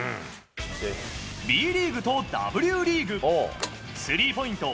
ＢリーグとＷリーグ、スリーポイント